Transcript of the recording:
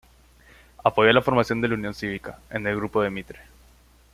Apoyó la formación de la Unión Cívica, en el grupo de Mitre.